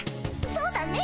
そうだね。